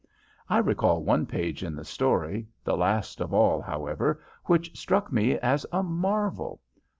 I recall one page in the story the last of all, however, which struck me as a marvel.